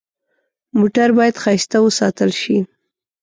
موټر باید ښایسته وساتل شي.